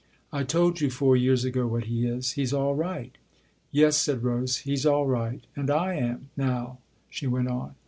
" I told you four years ago what he is. He's all right." " Yes," said Rose " he's all right. And / am now," she went on.